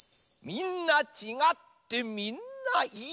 みんなちがってみんないい。